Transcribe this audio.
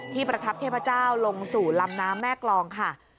ประทับเทพเจ้าลงสู่ลำน้ำแม่กรองค่ะ